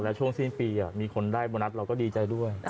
แล้วทุกคนอิจฉา